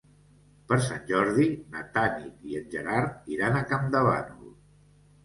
Per Sant Jordi na Tanit i en Gerard iran a Campdevànol.